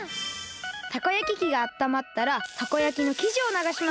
たこ焼き器があったまったらたこ焼きのきじをながします！